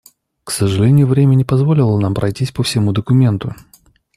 К сожалению, время не позволило нам пройтись по всему документу.